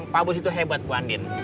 pabos itu hebat bu andin